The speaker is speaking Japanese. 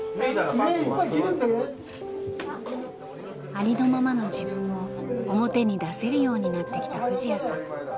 ありのままの自分を表に出せるようになってきた藤彌さん。